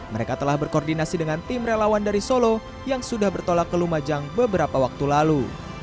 mereka telah berkoordinasi dengan tim relawan dari solo yang sudah bertolak ke lumajang beberapa waktu lalu